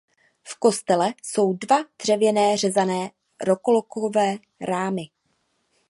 V kostele jsou dva dřevěné řezané rokokové rámy.